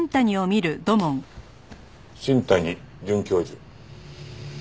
新谷准教授。